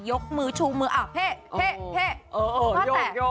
ยกมือชูมืออ่ะเผ่เผ่เผ่